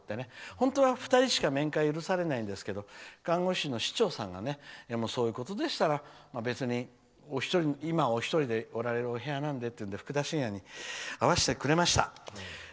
本当は２人しか面会は許されないんですけど看護師の師長さんがそういうことでしたら別に今お一人でいられるお部屋なのでということでふくだしんやに会わせてくれました。